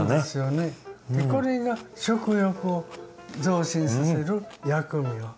これが食欲を増進させる役目を。